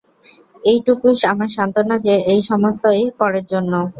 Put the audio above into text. এইটুকুই আমার সান্ত্বনা যে, এই সমস্তই পরের জন্য।